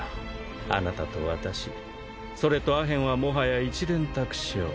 あなたと私それとアヘンはもはや一蓮托生。